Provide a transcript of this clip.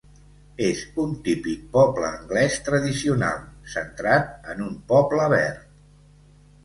És un típic poble anglès tradicional, centrat en un poble verd.